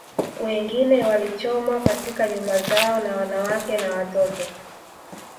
Wengine walichomwa katika nyumba zao na wanawake na watoto